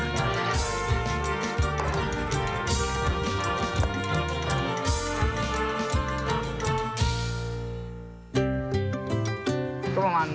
ก็ประมาณม๓ม๔เลยครับ